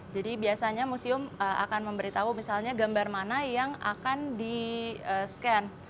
jadi biasanya museum akan memberitahu misalnya gambar mana yang akan di scan